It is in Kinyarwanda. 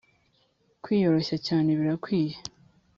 kwiyoroshya cyane birakwiye